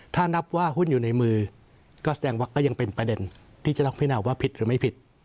ถ้านับว่าหุ้นอยู่ในมือก็แสดงว่าก็ยังเป็นประเด็นที่จะต้องพินาว่าผิดหรือไม่ผิด